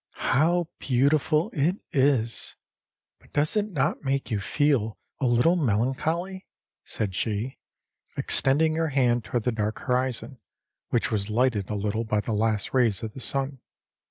âHow beautiful it is! But does it not make you feel a little melancholy?â said she, extending her hand toward the dark horizon, which was lighted a little by the last rays of the sun.